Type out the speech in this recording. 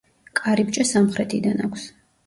კარიბჭე სამხრეთიდან აქვს.